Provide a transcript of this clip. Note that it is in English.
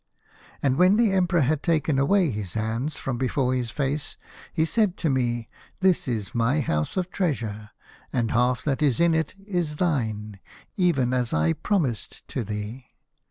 " And when the Emperor had taken away his hands from before his face he said to me :' This is my house of treasure, and half that is in it is thine, even as I promised to thee.